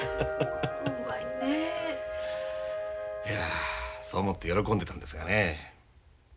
いやそう思って喜んでたんですがね。